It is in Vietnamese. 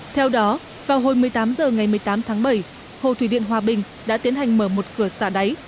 theo đó vào hồi một mươi tám h ngày một mươi tám tháng bảy hồ thủy điện hòa bình đã tiến hành mở một cửa xả đáy